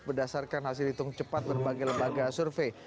berdasarkan hasil hitung cepat berbagai lembaga survei